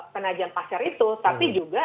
penajam pasar itu tapi juga